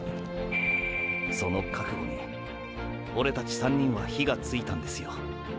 その覚悟にオレたち３人は火がついたんですよ。